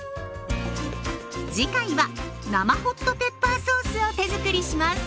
次回は生ホットペッパーソースを手づくりします。